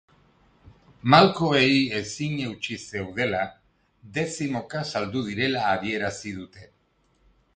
Malkoei ezin eutsi zeudela, dezimoka saldu direla adierazi dute.